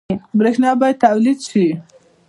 برښنا باید تولید شي